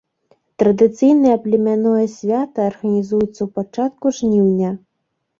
Традыцыйнае племянное свята арганізуецца ў пачатку жніўня.